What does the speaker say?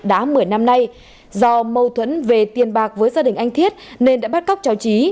đã một mươi năm nay do mâu thuẫn về tiền bạc với gia đình anh thiết nên đã bắt cóc cháu trí